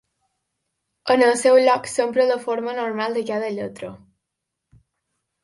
En el seu lloc s'empra la forma normal de cada lletra.